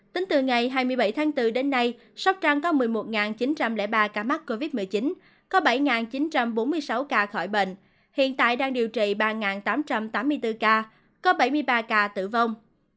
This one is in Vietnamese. tính từ ngày hai mươi bảy tháng bốn đến nay sóc trăng có một mươi một chín trăm linh ba ca mắc covid một mươi chín có bảy chín trăm bốn mươi sáu ca khỏi bệnh hiện tại đang điều trị ba tám trăm tám mươi bốn ca có bảy mươi ba ca tử vong